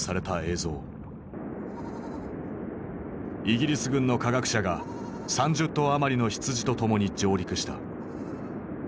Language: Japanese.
イギリス軍の科学者が３０頭余りの羊と共に上陸した。